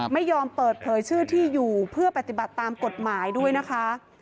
ไม่ยอมเปิดเผยชื่อที่อยู่เพื่อปฏิบัติตามกฎหมายด้วยนะคะ